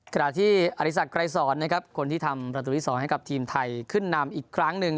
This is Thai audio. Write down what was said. ขณะที่อริสักไกรสอนนะครับคนที่ทำประตูที่๒ให้กับทีมไทยขึ้นนำอีกครั้งหนึ่ง